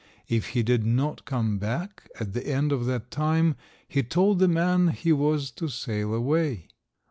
If he did not come back at the end of that time, he told the man he was to sail away.